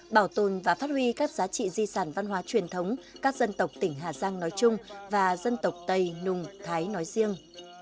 bảo tồn và phát huy các giá trị di sản văn hóa truyền thống các dân tộc tỉnh hà giang nói chung và dân tộc tây nùng thái nói riêng